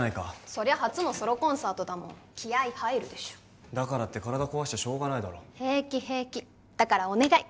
そりゃ初のソロコンサートだもん気合い入るでしょだからって体壊しちゃしょうがないだろ平気平気だからお願い